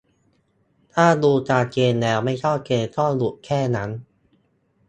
ถ้าดูตามเกณฑ์แล้ว ไม่เข้าเกณฑ์ ก็หยุดแค่นั้น